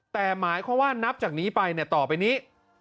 แต่หมายความว่านับจากนี้ไปเนี่ยต่อไปนี้